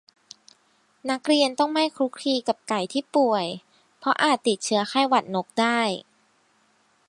นักเรียนต้องไม่คลุกคลีกับไก่ที่ป่วย เพราะอาจติดเชื้อไข้หวัดนกได้